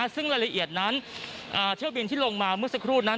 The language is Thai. ซึ่งรายละเอียดนั้นเที่ยวบินที่ลงมาเมื่อสักครู่นั้น